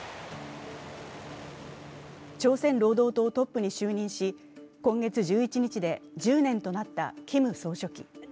朝鮮労働党トップに就任し今月１１日で１０年となったキム総書記。